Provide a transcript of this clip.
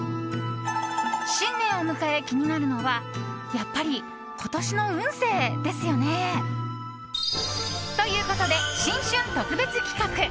新年を迎え、気になるのはやっぱり今年の運勢ですよね。ということで新春特別企画！